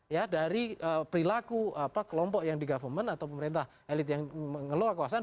ya dari perilaku kelompok yang di government atau pemerintah elit yang mengelola kekuasaan